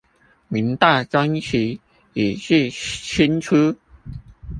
明代中期以至清初